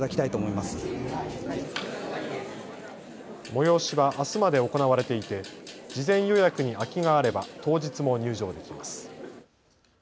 催しはあすまで行われていて事前予約に空きがあれば当日も入場できます。